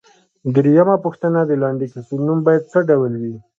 درېمه پوښتنه ـ د لنډې کیسې نوم باید څه ډول وي؟